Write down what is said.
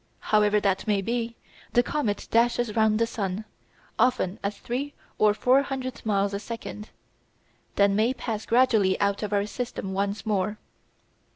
However that may be, the comet dashes round the sun, often at three or four hundred miles a second, then may pass gradually out of our system once more.